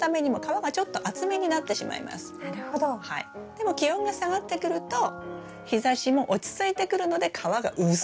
でも気温が下がってくると日ざしも落ち着いてくるので皮が薄くなってくるんですよ。